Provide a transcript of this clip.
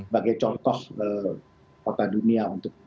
bagai contoh kota dunia untuk itu